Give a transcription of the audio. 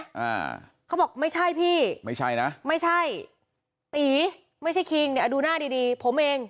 อ่าเขาบอกไม่ใช่พี่ไม่ใช่นะไม่ใช่ตีไม่ใช่คิงเนี่ยดูหน้าดีดีผมเอง